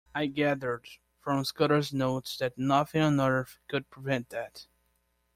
I gathered from Scudder’s notes that nothing on earth could prevent that.